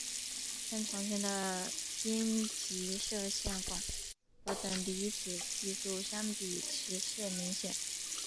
跟从前的阴极射线管和等离子技术相比迟滞明显。